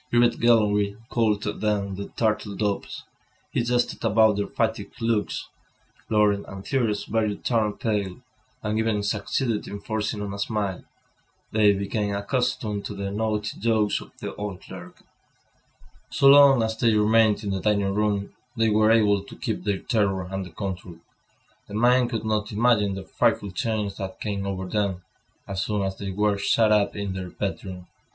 Grivet gallantly called them the "turtle doves." When he jested about their fatigued looks, Laurent and Thérèse barely turned pale, and even succeeded in forcing on a smile. They became accustomed to the naughty jokes of the old clerk. So long as they remained in the dining room, they were able to keep their terror under control. The mind could not imagine the frightful change that came over them, as soon as they were shut up in their bedroom.